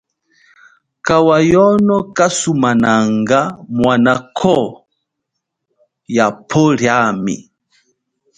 Kawa yono kasumananga mwanako ya pwo liami.